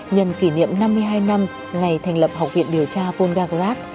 nhân kỷ niệm năm mươi hai năm ngày thành lập học viện điều tra volgarat